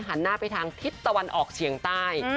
หันหน้าไปทางทิศตะวันออกเฉียงใต้